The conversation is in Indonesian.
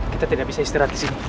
kita tidak bisa istirahat disini